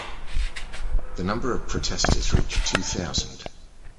The number of protesters reached two thousand.